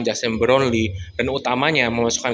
jasem brownlee dan utamanya memasukkan